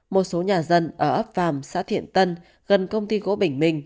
một số nhà dân ở ấp vàm xã thiện tân gần công ty gỗ bình minh